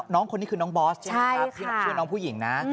น้องคนนี้คือน้องบอสใช่ไหมครับที่บอกชื่อน้องผู้หญิงนะ